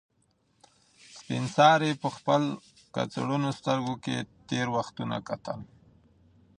سپین سرې په خپل کڅوړنو سترګو کې تېر وختونه کتل.